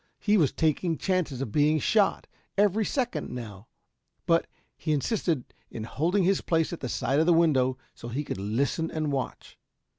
He was taking chances of being shot, every second now, but he insisted in holding his place at the side of the window so he could listen and watch.